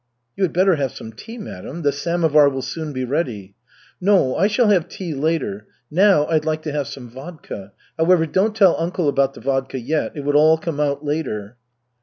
"You had better have some tea, madam. The samovar will soon be ready." "No, I shall have tea later. Now I'd like to have some vodka. However, don't tell uncle about the vodka yet. It will all come out later."